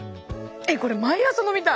えっこれ毎朝飲みたい。